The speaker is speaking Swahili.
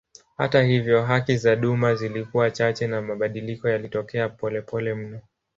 Hata hivyo haki za duma zilikuwa chache na mabadiliko yalitokea polepole mno.